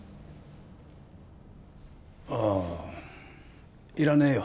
ああいらねえよ